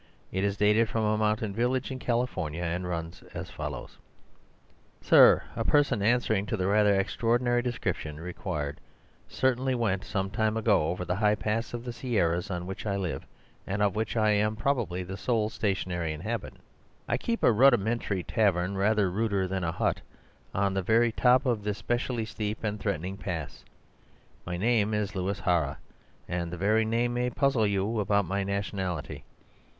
It is dated from a mountain village in California, and runs as follows:— "Sir,—A person answering to the rather extraordinary description required certainly went, some time ago, over the high pass of the Sierras on which I live and of which I am probably the sole stationary inhabitant. I keep a rudimentary tavern, rather ruder than a hut, on the very top of this specially steep and threatening pass. My name is Louis Hara, and the very name may puzzle you about my nationality.